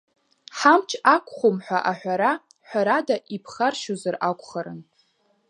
Ҳамч ақәхом ҳәа аҳәара, ҳәарада, иԥхаршьозар акәхарын.